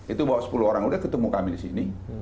itu bawa sepuluh orang udah ketemu kami di sini